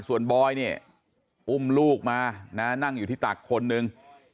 ส่วนบอยเนี่ยอุ้มลูกมานะนั่งอยู่ที่ตักคนหนึ่ง